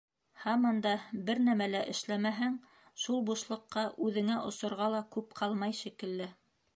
Һаман да бер нәмә лә эшләмәһәң, шул бушлыҡҡа үҙеңә осорға ла күп ҡалмай шикелле.